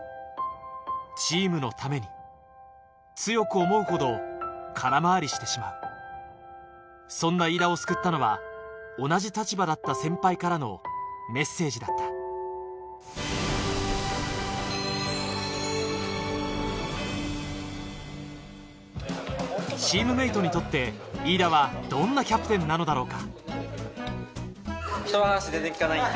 チームのために強く思うほど空回りしてしまうそんな飯田を救ったのは同じ立場だった先輩からのメッセージだったチームメートにとって飯田はどんなキャプテンなのだろうか？